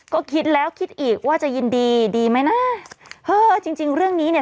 ก็คิดแล้วคิดอีกว่าจะยินดีดีไหมนะเออจริงจริงเรื่องนี้เนี่ย